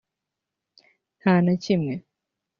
nta na kimwe